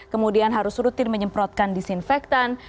kemudian harus rutin menyemprotkan disinfektan